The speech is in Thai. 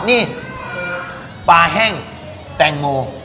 นี่ปลาแห้งแตงโม